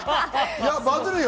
バズるよ！